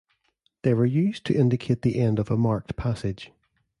They were used to indicate the end of a marked passage.